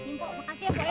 makasih ya pak